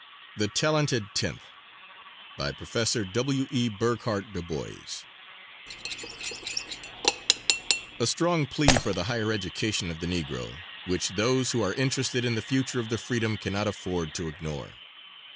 ] The Talented Tenth By PROF. W.E. BURGHARDT DuBOIS A strong plea for the higher education of the Negro, which those who are interested in the future of the freedmen cannot afford to ignore.